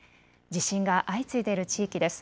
地震が相次いでいる地域です。